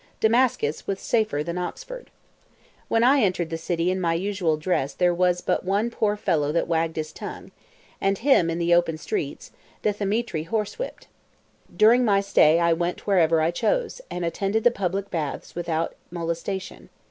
Damascus was safer than Oxford. When I entered the city in my usual dress there was but one poor fellow that wagged his tongue, and him, in the open streets, Dthemetri horsewhipped. During my stay I went wherever I chose, and attended the public baths without molestation.